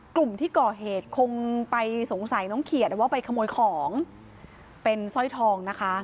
กลุ่มที่ก่อเหตุคงไปสงสัยน้องเขียดว่าไปขโมยของเป็นสร้อยทองนะคะ